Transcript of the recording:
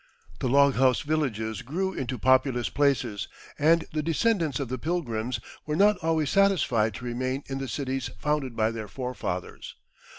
The log house villages grew into populous places, and the descendants of the "Pilgrims" were not always satisfied to remain in the cities founded by their forefathers.